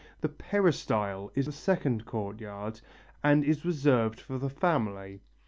The peristyle is the second courtyard, and is reserved for the family.